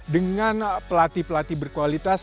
dengan pelatih pelatih berkualitas